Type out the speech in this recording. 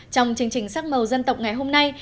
trong chương trình sắc màu dân tộc ngày hôm nay